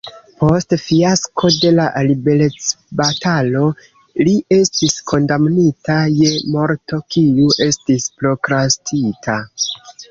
Post fiasko de la liberecbatalo li estis kondamnita je morto, kiu estis prokrastita.